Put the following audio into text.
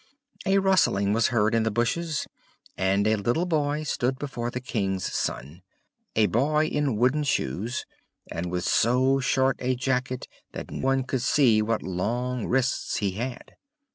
A rustling was heard in the bushes, and a little boy stood before the King's Son, a boy in wooden shoes, and with so short a jacket that one could see what long wrists he had.